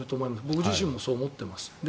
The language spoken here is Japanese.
僕自身もそう思っています。